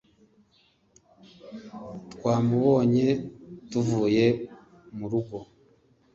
Twamubonye tuvuye mu rugo